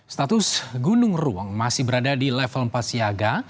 status gunung ruang masih berada di level empat siaga